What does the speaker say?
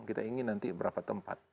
kita ingin nanti berapa tempat